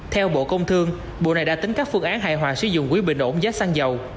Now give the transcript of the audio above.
theo bộ công thương bộ này đã tính các phương án hài hòa sử dụng quỹ bình ổn giá xăng dầu